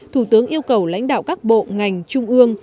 thủ tướng yêu cầu lãnh đạo các bộ ngành trung ương